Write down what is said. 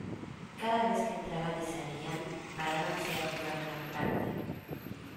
cada vez que entraban y salían parábanse a jugar una carta.